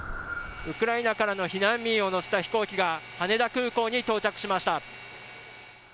ウクライナからの避難民を乗せた飛行機が、羽田空港に到着しました。